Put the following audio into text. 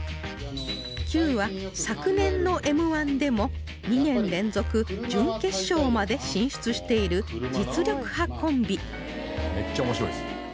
キュウは昨年の Ｍ−１ でも２年連続準決勝まで進出している実力派コンビ